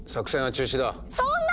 そんな！